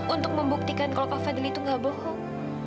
untuk membuktikan kalau kak fadil itu gak bohong